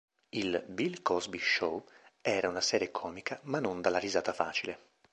Il "Bill Cosby Show" era una serie comica ma non dalla risata facile.